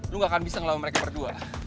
lu gak akan bisa ngelawan mereka berdua